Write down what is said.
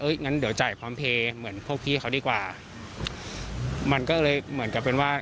งั้นเดี๋ยวจ่ายพร้อมเพลย์เหมือนพวกพี่เขาดีกว่ามันก็เลยเหมือนกับเป็นว่า